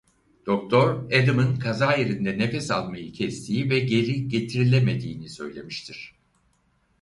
Doktor Adam'ın kaza yerinde nefes almayı kestiği ve geri getirilemediğini söylemiştir.